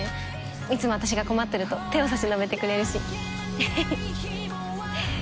いつも私が困ってると手を差し伸べてくれるしははっ。